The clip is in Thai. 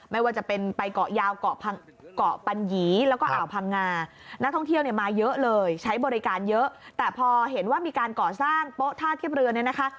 ไม่ว่าจะเป็นไปเกาะยาวเกาะปัญหยีแล้วก็อ่าวพังงานักท่องเที่ยวเนี่ยมาเยอะเลยใช้บริการเยอะแต่พอเห็นว่ามีการก่อสร้างโป๊ะท่าเทียบเรือเนี่ยนะคะ